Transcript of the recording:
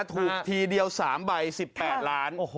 ทีเดียว๓ใบ๑๘ล้าน